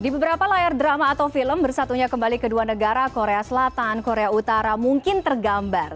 di beberapa layar drama atau film bersatunya kembali kedua negara korea selatan korea utara mungkin tergambar